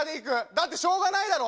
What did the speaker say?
だってしょうがないだろ。